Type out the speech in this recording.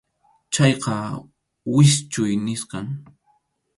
Chayqa wischʼuy nisqam.